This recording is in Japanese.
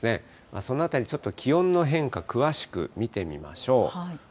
そのあたり、ちょっと気温の変化、詳しく見てみましょう。